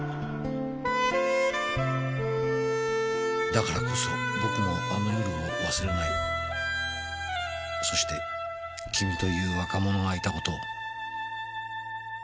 「だからこそ僕もあの夜を忘れない」「そして君という若者がいた事を」